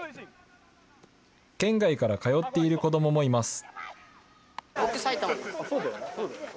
県外から通っている子どももいます。